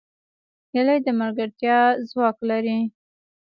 هیلۍ د ملګرتیا ځواک لري